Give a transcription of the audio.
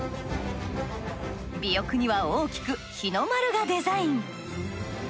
尾翼には大きく日の丸がデザイン。